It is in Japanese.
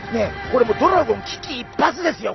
これもうドラゴン危機一髪ですよ